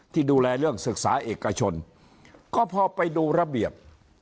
ที่ดูแลเรื่องศึกษาเอกชนก็พอไปดูระเบียบ